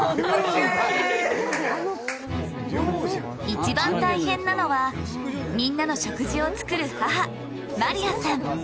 一番大変なのは、みんなの食事を作る母・マリアさん。